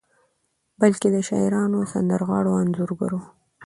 بلکې د شاعرانو، سندرغاړو، انځورګرو